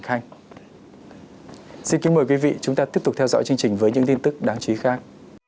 hãy tiếp tục theo dõi chương trình với những tin tức đáng chí khác